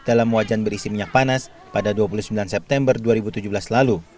dalam wajan berisi minyak panas pada dua puluh sembilan september dua ribu tujuh belas lalu